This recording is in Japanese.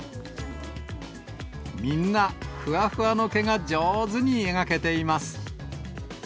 みんな、ふわふわの毛が上手に描けています。